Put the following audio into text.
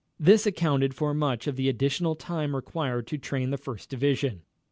This accounted for much of the additional time required to train the First Division.